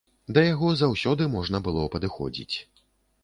Да яго заўсёды можна было падыходзіць.